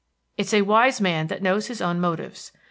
It's a wise man that knows his own motives.